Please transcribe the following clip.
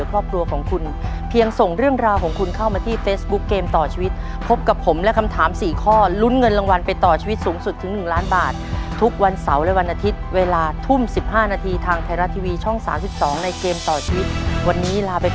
ขอบคุณเด็กด้วยนะครับขอบคุณมากครับ